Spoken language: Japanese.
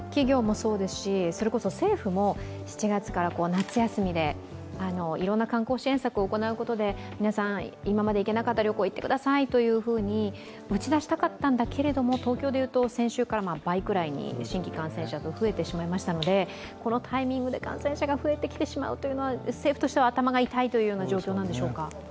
夏休みでいろんな観光支援策を行うことで皆さん今まで行けなかった旅行に行ってくださいと打ち出したかったんだけれども東京で言うと先週より倍くらいに新規感染者数が増えてしまいましたのでこのタイミングで感染者が増えてしまうというのは政府としては頭が痛いという状況なんでしょうか？